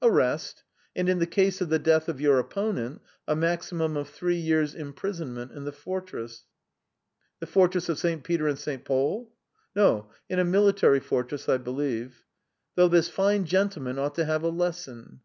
"Arrest, and in the case of the death of your opponent a maximum of three years' imprisonment in the fortress." "The fortress of St. Peter and St. Paul?" "No, in a military fortress, I believe." "Though this fine gentleman ought to have a lesson!"